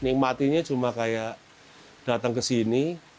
nikmatinya cuma kayak datang ke sini